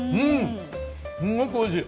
すごくおいしい。